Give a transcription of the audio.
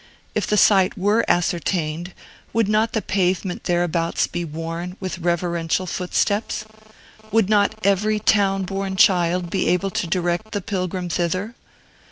If the site were ascertained, would not the pavement thereabouts be worn with reverential footsteps? Would not every town born child be able to direct the pilgrim thither?